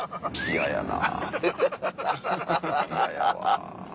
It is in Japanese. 嫌やわ。